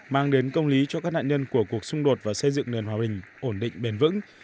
mang đến công lý cho các nạn nhân của cuộc xung đột và xây dựng nền hòa bình ổn định bền vững